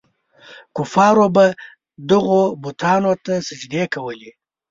کفارو به دغو بتانو ته سجدې کولې.